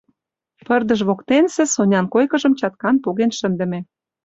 Пырдыж воктенсе Сонян койкыжым чаткан поген шындыме.